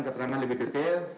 keterangan lebih detail